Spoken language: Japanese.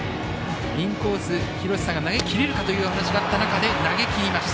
インコース、廣瀬さんが投げきれるかという話があった中で投げきりました。